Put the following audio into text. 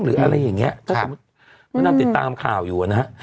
หรืออะไรอย่างนี้ถ้าสมมุติมะดำติดตามข่าวอยู่นะฮะ